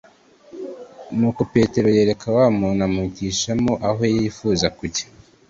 nuko petero yereka wa muntu amuhitishamo aho yifuza kujya.